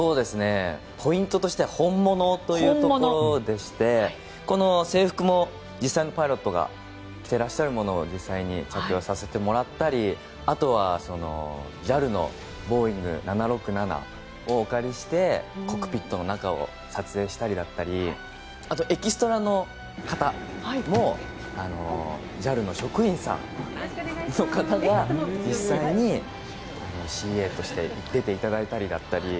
ポイントとしては本物というところでしてこの制服も実際のパイロットが着ているものを実際に着用させてもらったりあとは、ＪＡＬのボーイング７６７をお借りしてコックピットの中を撮影したりだとかあと、エキストラの方もＪＡＬの職員さんの方も実際にＣＡとして出ていただいたりだとか